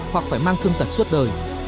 hoặc phải mang thương tật suốt đời